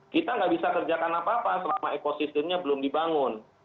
kita nggak bisa kerjakan apa apa selama ekosistemnya belum dibangun